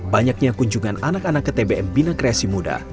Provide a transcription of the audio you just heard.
banyaknya kunjungan anak anak ke tbm bina kreasi muda